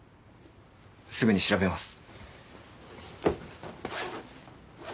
すぐに調べます。